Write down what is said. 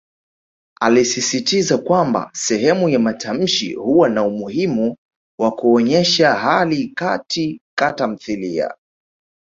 Alisisitiza kwamba sehemu ya matamshi huwa na umuhimu wa kuonyesha hali Kati ka tamthilia.